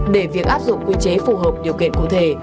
để việc áp dụng quy chế phù hợp điều kiện cụ thể